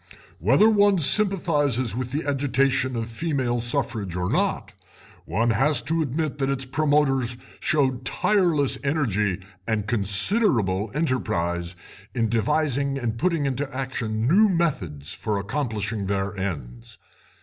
"Whether one sympathises with the agitation for female suffrage or not one has to admit that its promoters showed tireless energy and considerable enterprise in devising and putting into action new methods for accomplishing their ends.